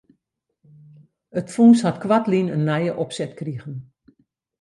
It fûns hat koartlyn in nije opset krigen.